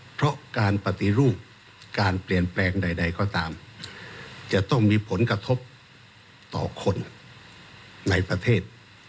เพราะการปฏิรูปการเปลี่ยนแปลงใดก็ตามจะต้องมีผลกระทบต่อคนในประเทศ